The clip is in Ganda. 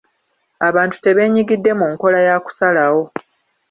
Abantu tebenyigidde mu nkola ya kusalawo.